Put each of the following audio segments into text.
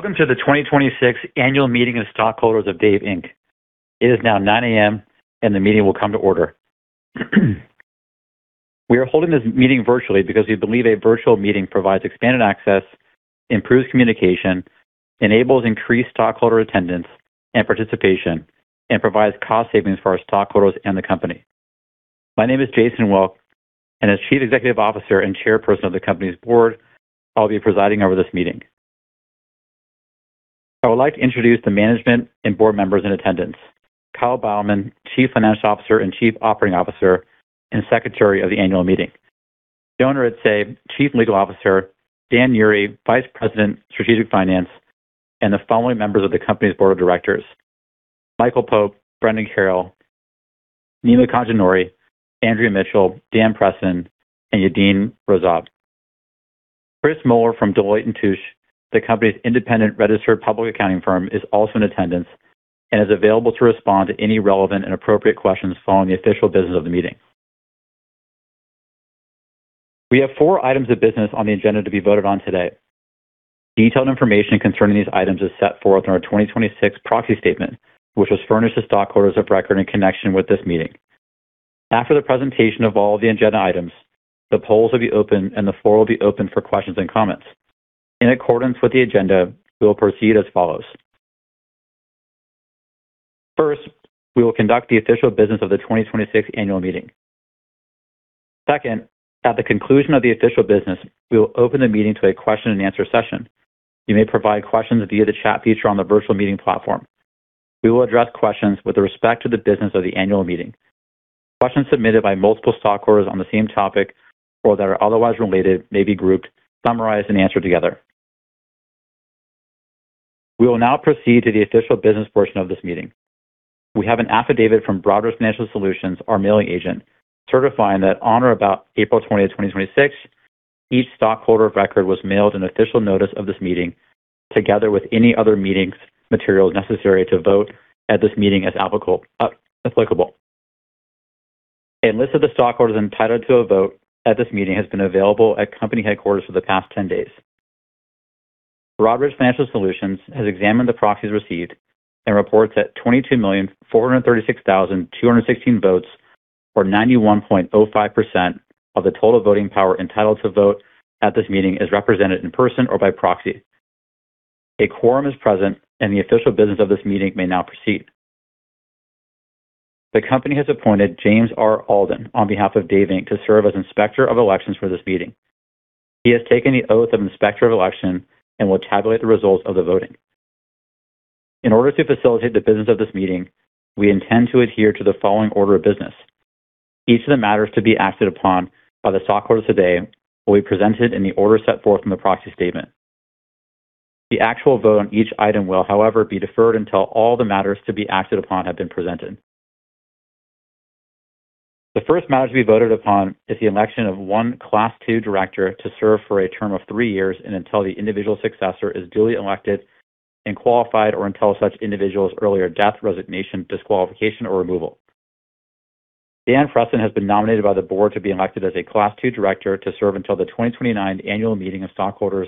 Welcome to the 2026 annual meeting of stockholders of Dave Inc. It is now 9:00 A.M., and the meeting will come to order. We are holding this meeting virtually because we believe a virtual meeting provides expanded access, improves communication, enables increased stockholder attendance and participation, and provides cost savings for our stockholders and the company. My name is Jason Wilk, and as Chief Executive Officer and Chairperson of the company's board, I'll be presiding over this meeting. I would like to introduce the management and board members in attendance. Kyle Beilman, Chief Financial Officer and Chief Operating Officer and Secretary of the annual meeting. Joan Aristei, Chief Legal Officer. Dan Ury, Vice President, Strategic Finance, and the following members of the company's board of directors: Michael Pope, Brendan Carroll, Nima Khajehnouri, Andrea Mitchell, Dan Preston, and Yadin Rozov. Chris Moore from Deloitte & Touche, the company's independent registered public accounting firm, is also in attendance and is available to respond to any relevant and appropriate questions following the official business of the meeting. We have four items of business on the agenda to be voted on today. Detailed information concerning these items is set forth in our 2026 proxy statement, which was furnished to stockholders of record in connection with this meeting. After the presentation of all the agenda items, the polls will be open, and the floor will be open for questions and comments. In accordance with the agenda, we will proceed as follows. First, we will conduct the official business of the 2026 annual meeting. Second, at the conclusion of the official business, we will open the meeting to a question-and-answer session. You may provide questions via the chat feature on the virtual meeting platform. We will address questions with respect to the business of the annual meeting. Questions submitted by multiple stockholders on the same topic or that are otherwise related may be grouped, summarized, and answered together. We will now proceed to the official business portion of this meeting. We have an affidavit from Broadridge Financial Solutions, our mailing agent, certifying that on or about April 20th, 2026, each stockholder of record was mailed an official notice of this meeting, together with any other meetings materials necessary to vote at this meeting as applicable. A list of the stockholders entitled to a vote at this meeting has been available at company headquarters for the past 10 days. Broadridge Financial Solutions has examined the proxies received and reports that 22,436,216 votes, or 91.05% of the total voting power entitled to vote at this meeting, is represented in person or by proxy. A quorum is present, and the official business of this meeting may now proceed. The company has appointed James R. Alden on behalf of Dave Inc. to serve as Inspector of Elections for this meeting. He has taken the oath of Inspector of Election and will tabulate the results of the voting. In order to facilitate the business of this meeting, we intend to adhere to the following order of business. Each of the matters to be acted upon by the stockholders today will be presented in the order set forth in the proxy statement. The actual vote on each item will, however, be deferred until all the matters to be acted upon have been presented. The first matter to be voted upon is the election of one Class II director to serve for a term of three years and until the individual successor is duly elected and qualified, or until such individual's earlier death, resignation, disqualification or removal. Dan Preston has been nominated by the board to be elected as a Class II director to serve until the 2029 annual meeting of stockholders,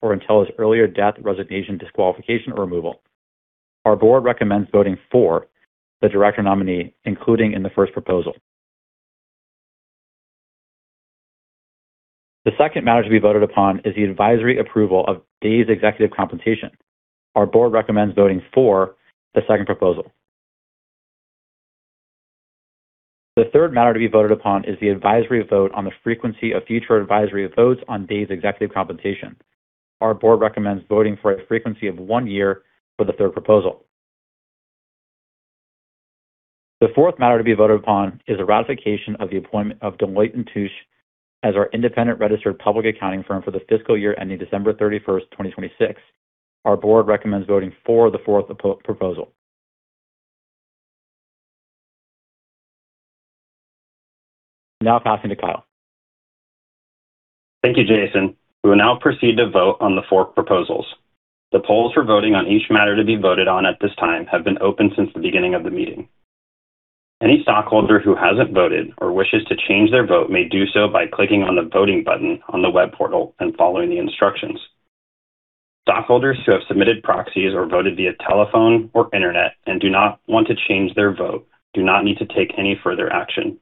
or until his earlier death, resignation, disqualification or removal. Our board recommends voting for the director nominee included in the first proposal. The second matter to be voted upon is the advisory approval of Dave's executive compensation. Our board recommends voting for the second proposal. The third matter to be voted upon is the advisory vote on the frequency of future advisory votes on Dave's executive compensation. Our board recommends voting for a frequency of one year for the third proposal. The fourth matter to be voted upon is a ratification of the appointment of Deloitte & Touche as our independent registered public accounting firm for the fiscal year ending December 31st, 2026. Our board recommends voting for the fourth proposal. Passing to Kyle. Thank you, Jason. We will now proceed to vote on the four proposals. The polls for voting on each matter to be voted on at this time have been open since the beginning of the meeting. Any stockholder who hasn't voted or wishes to change their vote may do so by clicking on the voting button on the web portal and following the instructions. Stockholders who have submitted proxies or voted via telephone or internet and do not want to change their vote do not need to take any further action.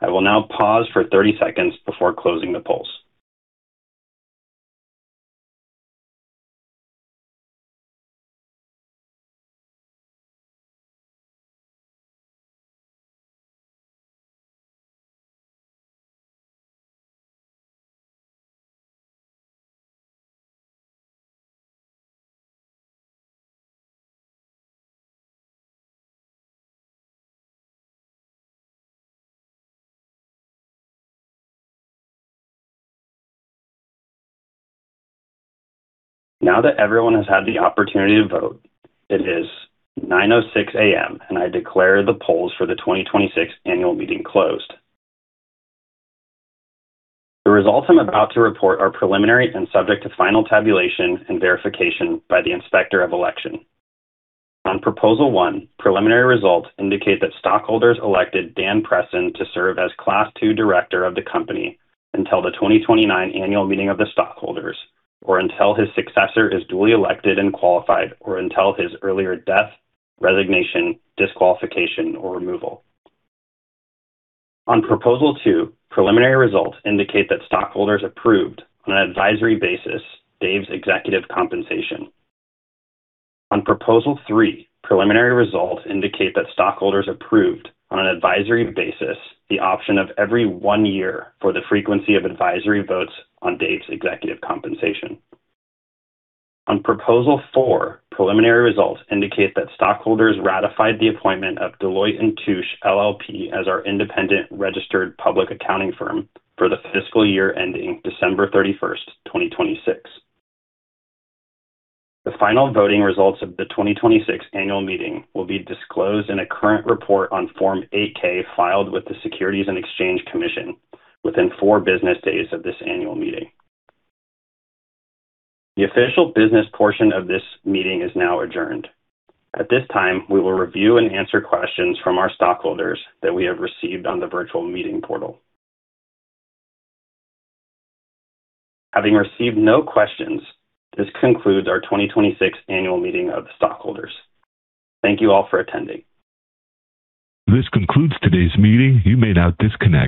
I will now pause for 30 seconds before closing the polls. Now that everyone has had the opportunity to vote, it is 9:06 A.M., and I declare the polls for the 2026 annual meeting closed. The results I'm about to report are preliminary and subject to final tabulation and verification by the Inspector of Elections. On proposal one, preliminary results indicate that stockholders elected Dan Preston to serve as Class II director of the company until the 2029 annual meeting of the stockholders or until his successor is duly elected and qualified, or until his earlier death, resignation, disqualification or removal. On proposal two, preliminary results indicate that stockholders approved on an advisory basis Dave's executive compensation. On proposal three, preliminary results indicate that stockholders approved on an advisory basis the option of every one year for the frequency of advisory votes on Dave's executive compensation. On proposal four, preliminary results indicate that stockholders ratified the appointment of Deloitte & Touche LLP as our independent registered public accounting firm for the fiscal year ending December 31, 2026. The final voting results of the 2026 annual meeting will be disclosed in a current report on Form 8-K filed with the Securities and Exchange Commission within four business days of this annual meeting. The official business portion of this meeting is now adjourned. At this time, we will review and answer questions from our stockholders that we have received on the virtual meeting portal. Having received no questions, this concludes our 2026 annual meeting of the stockholders. Thank you all for attending. This concludes today's meeting. You may now disconnect.